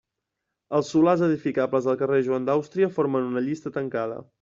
Els solars edificables al carrer Joan d'Àustria formen una llista tancada.